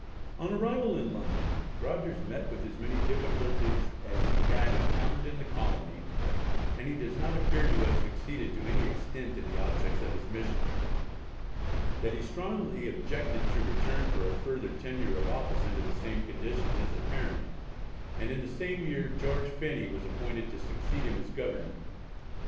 On arrival in London Rogers met with as many difficulties as he had encountered in the Colony, and he does not appear to have succeeded to any extent in the objects of his mission. That he strongly objected to return for a further tenure of office under the same conditions is apparent, and in the same year George Phenney was appointed to succeed him as Governor.